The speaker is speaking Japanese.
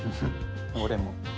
俺も。